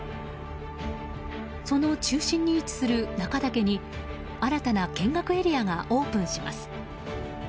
その中心に位置する中岳に新たな見学エリアがオープンします。